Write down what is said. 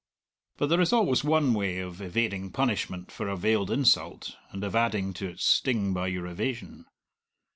But there is always one way of evading punishment for a veiled insult, and of adding to its sting by your evasion.